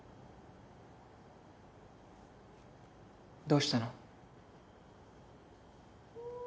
どうしたの？